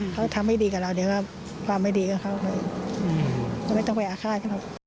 เขาทำไม่ดีกับเราเดี๋ยวเวลาความไม่ดีกับเขาก็ไม่ต้องไปอาคาด